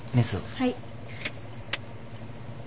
はい。